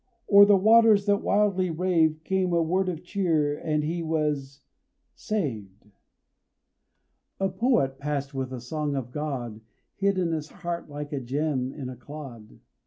o'er the waters that wildly raved Came a word of cheer and he was saved. A poet passed with a song of God Hid in his heart like a gem in a clod.